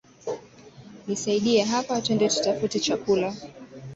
Nisaidie hapa tuende tutafute chakula